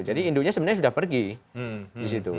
jadi indu nya sebenarnya sudah pergi di situ